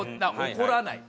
怒らない。